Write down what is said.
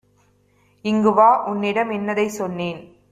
இங்குவா! உன்னிடம் இன்னதைச் சொன்னேன்